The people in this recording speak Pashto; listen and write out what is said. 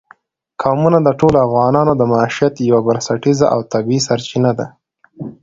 قومونه د ټولو افغانانو د معیشت یوه بنسټیزه او طبیعي سرچینه ده.